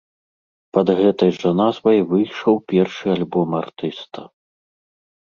Пад гэтай жа назвай выйшаў першы альбом артыста.